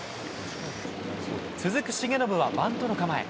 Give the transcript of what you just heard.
続く重信は、バントの構え。